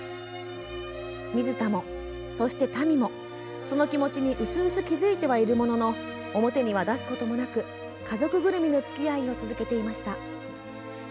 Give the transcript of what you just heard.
水田も、そして、たみもその気持ちにうすうす気付いてはいるものの表には出すこともなく家族ぐるみのつきあいを続けていました。